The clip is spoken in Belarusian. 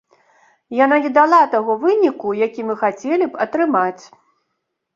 Яна не дала таго выніку, які мы хацелі б атрымаць.